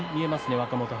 若元春。